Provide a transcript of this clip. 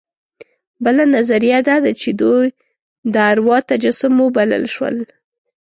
بله نظریه دا ده چې دوی د اروا تجسم وبلل شول.